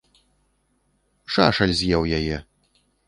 Шашаль з еў яе.